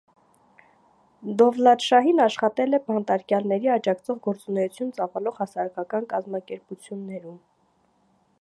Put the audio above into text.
Դովլաթշահին աշխատել է բանտարկյալների աջակցող գործունեություն ծավալող հասարակական կազմակերպություններում։